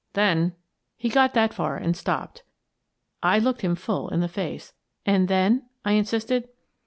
Then —" He got that far and stopped. I looked him full in the face. "And then?" I insisted.